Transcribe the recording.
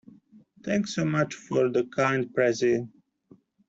Thanks so much for the kind pressie.